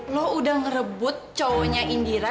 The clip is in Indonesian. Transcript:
loh udah ngerebut cowoknya indira